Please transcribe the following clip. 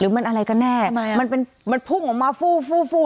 หรือมันอะไรก็แน่แล้วมันเป็นมันพุ่งออกมาฟู้